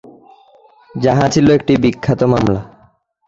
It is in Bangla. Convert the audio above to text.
যাহা ছিল একটি বিখ্যাত মামলা।